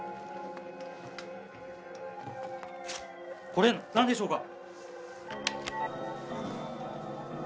これなんでしょうか？